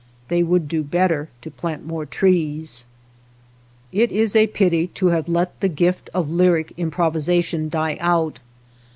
They would do better to plant more trees. It is a pity we have let the gift of lyric ^ improvisation die out.